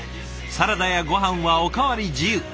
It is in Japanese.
サラダやごはんはお代わり自由。